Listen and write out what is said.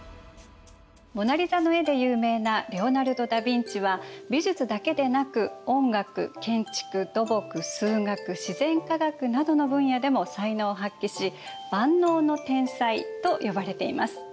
モナリザの絵で有名なレオナルド・ダ・ヴィンチは美術だけでなく音楽建築土木数学自然科学などの分野でも才能を発揮し万能と天才と呼ばれています。